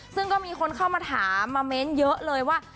ซึ่งก็มีคนเข้ามาถามมาเม้นเยอะเลยว่า